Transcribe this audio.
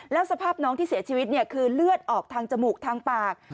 แล้วสภาพน้องที่เสียชีวิตคือเลือดออกทางจมูกทางปาก